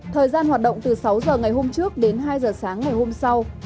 thời gian hoạt động từ sáu giờ ngày hôm trước đến hai h sáng ngày hôm sau